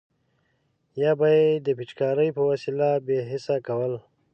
یا به یې د پیچکارۍ په وسیله بې حس کول.